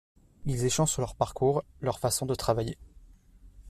Ils échangent sur leur parcours, leur façon de travailler.